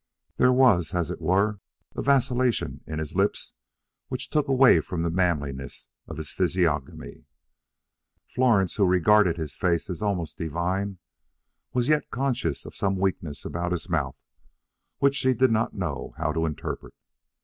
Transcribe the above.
There was as it were a vacillation in his lips which took away from the manliness of his physiognomy. Florence, who regarded his face as almost divine, was yet conscious of some weakness about his mouth which she did not know how to interpret.